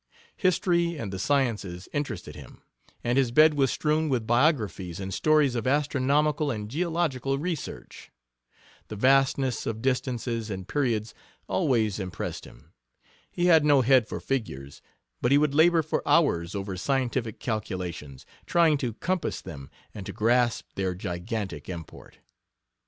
History and the sciences interested him, and his bed was strewn with biographies and stories of astronomical and geological research. The vastness of distances and periods always impressed him. He had no head for figures, but he would labor for hours over scientific calculations, trying to compass them and to grasp their gigantic import.